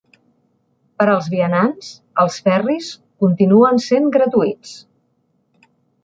Per als vianants, els ferris continuen sent gratuïts.